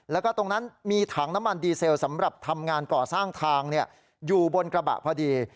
แล้วก็ตรงนั้นมีถังน้ำมันดีเซลสำหรับทำงานก่อสร้างทางอยู่บนกระบะพอดี